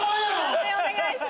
判定お願いします。